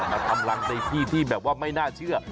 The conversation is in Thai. มาทำรังในที่ที่แบบว่าไม่น่าเชื่อ